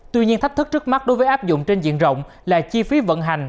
tuy nhiên thách thức trước mắt đối với áp dụng trên diện rộng là chi phí vận hành